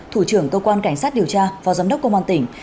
thủ trưởng cơ quan cảnh sát điều tra phó giám đốc công an tỉnh